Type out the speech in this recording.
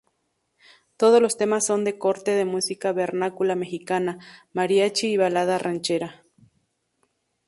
Todos los temas son de corte de música vernácula mexicana, mariachi y balada ranchera.